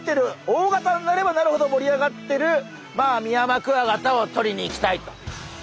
大型になればなるほど盛り上がってるミヤマクワガタをとりに行きたいと。